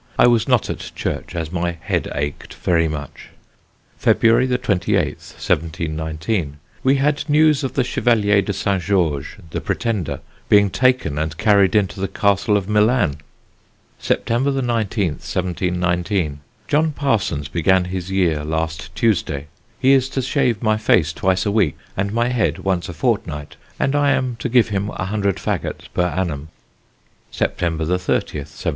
I was not at church, as my head ached very much. "February 28th, 1719. We had news of the Chevalier de St. George, the Pretender, being taken and carried into the Castle of Milan. "September 19th, 1719. John Parsons began his year last Tuesday. He is to shave my face twice a week, and my head once a fortnight, and I am to give him 100 faggots per annum. "September 30th, 1719.